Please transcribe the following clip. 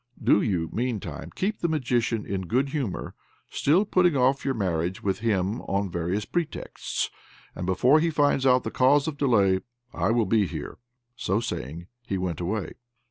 Do you, meantime, keep the Magician in good humour still putting off your marriage with him on various pretexts; and before he finds out the cause of delay, I will be here." So saying, he went away.